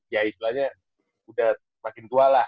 ya istilahnya udah makin tua lah